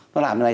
nó làm thế này